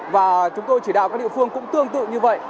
và chúng tôi chỉ đạo các địa phương cũng tương tự như vậy